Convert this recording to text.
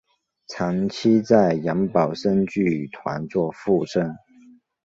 长期在杨宝森剧团做副生。